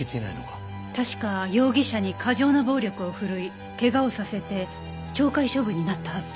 確か容疑者に過剰な暴力を振るい怪我をさせて懲戒処分になったはずじゃ。